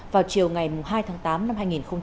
vào chiều ngày hai tháng tám năm hai nghìn hai mươi